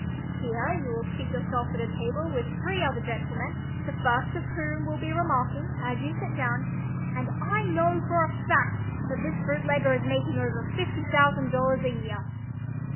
Here you will seat yourself at a table with three other gentlemen, the first of whom will be remarking, as you sit down, "and I know for a fact that this bootlegger is making over fifty thousand dollars a year."